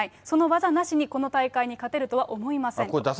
その技なしで、この大会に勝てるとは思いませんと。